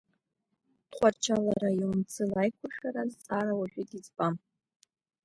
Тҟәарчал араион ӡыла аиқәыршәара азҵаара уажәыгьы иӡбам.